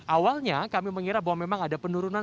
awalnya kami mengira bahwa memang ada penurunan